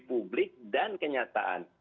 publik dan kenyataan